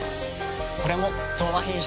これも「東和品質」。